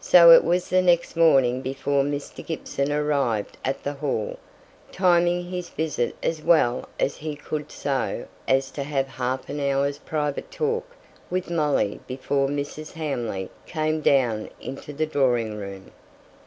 So it was the next morning before Mr. Gibson arrived at the Hall, timing his visit as well as he could so as to have half an hour's private talk with Molly before Mrs. Hamley came down into the drawing room.